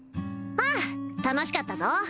ああ楽しかったぞ